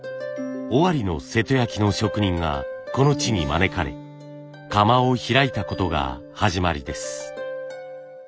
尾張の瀬戸焼の職人がこの地に招かれ窯を開いたことが始まりです。